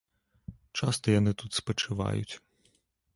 Часта яны тут спачываюць.